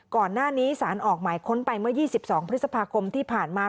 ก่อนหน้านี้สารออกหมายค้นไปเมื่อ๒๒พฤษภาคมที่ผ่านมา